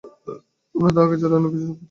আমরা তাঁহাকে ছাড়া অন্য সব কিছু চাই।